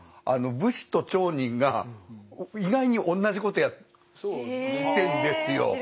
武士と町人が意外に同じことやってんですよ。